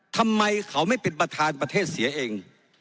ทำไมเขาไม่เป็นประธานประเทศเสียเอง